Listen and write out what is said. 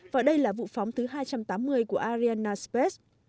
và đây là vụ phóng thứ hai trăm tám mươi của arian space